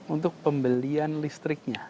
untuk pembelian listriknya